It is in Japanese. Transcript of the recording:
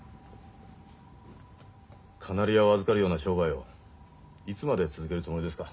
カナリヤを預かるような商売をいつまで続けるつもりですか？